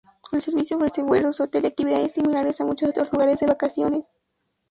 El servicio ofrece vuelos, hotel y actividades similares a muchos otros lugares de vacaciones.